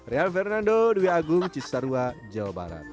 rian fernando dwi agung cisarua jawa barat